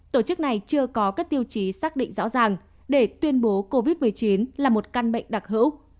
tổ chức này chưa có các tiêu chí xác định rõ ràng để tuyên bố covid một mươi chín là một căn bệnh đặc hữu